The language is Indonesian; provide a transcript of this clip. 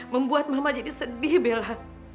membuat mama jadi sedih bella